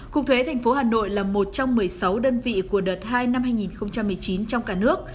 cục thuế thành phố hà nội là một trong một mươi sáu đơn vị của đợt hai năm hai nghìn một mươi chín trong cả nước